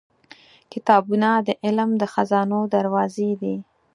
• کتابونه د علم د خزانو دروازې دي.